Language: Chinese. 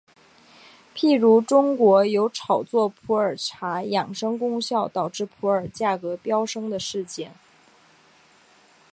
譬如中国有炒作普洱茶养生功效导致普洱价格飙升的事件。